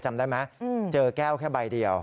จำได้ไหมเจอแก้วแค่ใบเดียว